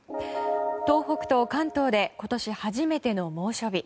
東北と関東で今年初めての猛暑日。